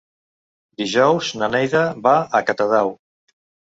Dijous na Neida va a Catadau.